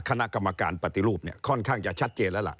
คณะกรรมการปฏิรูปเนี่ยค่อนข้างจะชัดเจนแล้วล่ะ